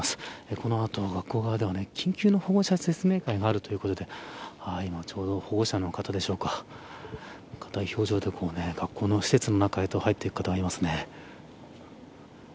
この後、学校では緊急の保護者説明会があるということで今ちょうど保護者の方でしょうか硬い表情で学校の施設の中へと入っていく方がいますね。